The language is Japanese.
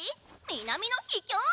南の秘境？